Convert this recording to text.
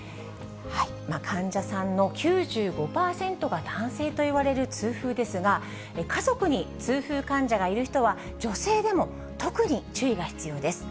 患者さんの９５％が男性といわれる痛風ですが、家族に痛風患者がいる人は、女性でも特に注意が必要です。